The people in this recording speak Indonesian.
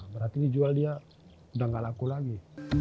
berarti dijual dia udah gak laku lagi